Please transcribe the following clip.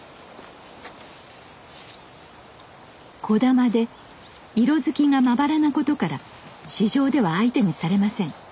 小玉で色づきがまばらなことから市場では相手にされません。